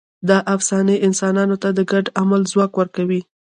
دا افسانې انسانانو ته د ګډ عمل ځواک ورکوي.